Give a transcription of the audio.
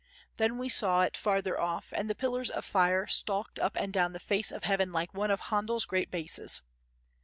Then we saw it farther off and the pillars of fire stalked up and down the face of heaven like one of Handel's great basses.